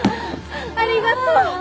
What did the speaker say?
ありがとう！